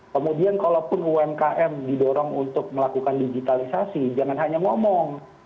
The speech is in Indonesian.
kemudian kalaupun umkm didorong untuk melakukan digitalisasi jangan hanya ngomong